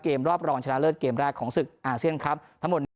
รอบรองชนะเลิศเกมแรกของศึกอาเซียนครับทั้งหมดนี้